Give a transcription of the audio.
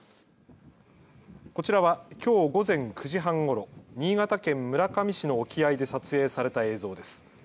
こちらはきょう午前９時半ごろ、新潟県村上市の沖合で撮影された映像です。